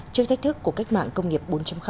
trước thách thức của cách mạng công nghiệp bốn